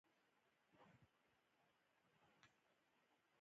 په هندوستان کې د سلطنت په زمانه کې دود و.